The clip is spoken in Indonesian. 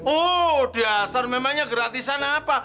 oh diastar memangnya gratisan apa